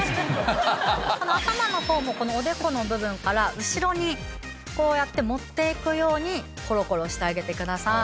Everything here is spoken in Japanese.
頭の方もおでこの部分から後ろにこうやって持っていくようにコロコロしてあげてください。